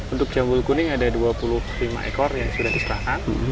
untuk jambul kuning ada dua puluh lima ekor yang sudah diserahkan